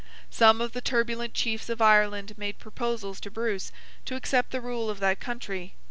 Some of the turbulent chiefs of Ireland made proposals to Bruce, to accept the rule of that country.